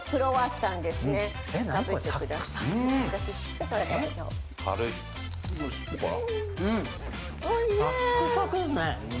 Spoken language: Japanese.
サックサクですね。